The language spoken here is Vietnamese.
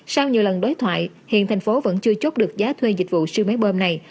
sau nhiều lần đối thoại hiện thành phố vẫn chưa chốt được giá thuê dịch vụ siêu máy bơm này